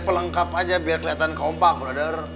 pelengkap aja biar kelihatan kompak browder